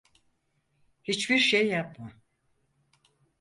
Hiçbir şey yapma.